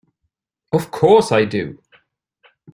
Of course I do!